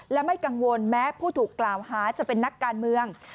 และไม่กังวลแม้ผู้ถูกกล่าวหาจะเป็นนักการเมือง